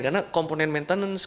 karena komponen maintenance